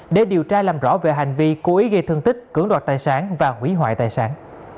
để điều tra làm rõ về hành vi cố ý gây thương tích cưỡng đoạt tài sản và hủy hoại tài sản